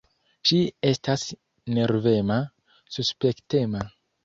Ŝi estas nervema, suspektema.